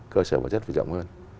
cơ sở vật chất phải rộng hơn